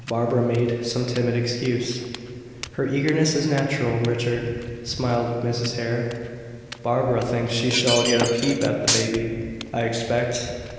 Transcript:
Barbara made some timid excuse. "Her eagerness is natural, Richard," smiled Mrs. Hare. "Barbara thinks she shall get a peep at the baby, I expect.